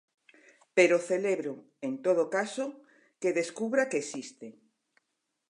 Pero celebro, en todo caso, que descubra que existe.